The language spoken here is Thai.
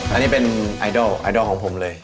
อันนี้เป็นไอดอลไอดอลของผมเลย